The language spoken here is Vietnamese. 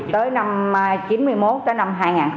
tới năm chín mươi một tới năm hai nghìn một mươi bảy